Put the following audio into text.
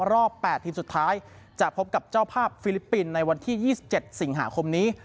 รอบ๘ทีมสุดท้ายจะพบกับเจ้าภาพฟิลิปปินส์ในวันที่๒๗สิงหาคมนี้